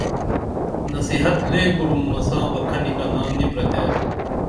نصِحت لے کُرُم مساں بہ کھنی کنا نی پرتے